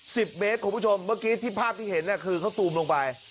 สิบเมตรคุณผู้ชมเมื่อกี้ที่ภาพที่เห็นน่ะคือเขาซูมลงไป